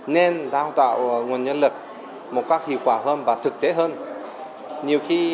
nên đào tạo nguồn nhân lực một cách hiệu quả hơn và thực tế hơn